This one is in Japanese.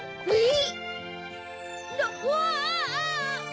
えっ？